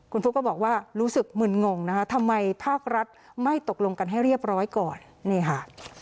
คุณฟุ๊กก็บอกว่ารู้สึกมึนงงนะคะทำไมภาครัฐไม่ตกลงกันให้เรียบร้อยก่อนนี่ค่ะ